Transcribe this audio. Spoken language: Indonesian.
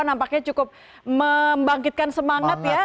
nampaknya cukup membangkitkan semangat ya